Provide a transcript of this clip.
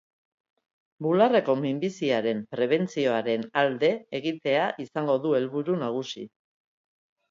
Bularreko minbiziaren prebentzioaren alde egitea izango du helburu nagusi.